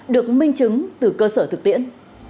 được minh chứng từ cơ sở thực tiễn